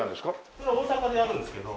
それは大阪でやるんですけど。